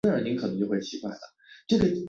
被认为是英国最古老的酒店。